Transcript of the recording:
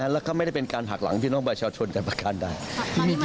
แล้วก็ไม่ได้เป็นการหักหลังพี่น้องประชาชนแต่ประการใด